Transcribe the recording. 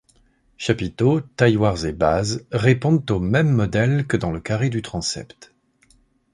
Chapiteaux, tailloirs et bases répondent au même modèle que dans le carré du transept.